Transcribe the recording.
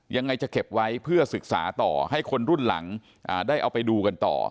ยังไงจะเก็บไว้เพื่อศึกษาต่อให้คนรุ่นหลังได้เอาไปดูกันต่อ